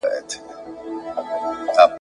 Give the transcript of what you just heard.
چي په ښار او په مالت کي څه تیریږي !.